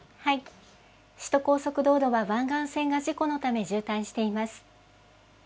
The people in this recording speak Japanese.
首都高速道路は湾岸線が事故のため渋滞しています。